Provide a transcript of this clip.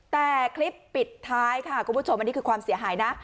แต่คลิปปิดท้ายค่ะคุณผู้ชมอันนี้คือความเสียหายนะ